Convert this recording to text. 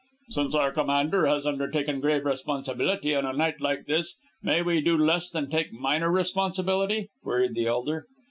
"Since our commander has undertaken grave responsibility on a night like this, may we do less than take minor responsibility?" queried the elder.